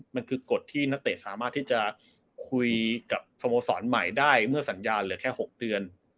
มันคือกฎที่นักเตะสามารถที่จะคุยกับสโมสรใหม่ได้เมื่อสัญญาณเหลือแค่๖เดือน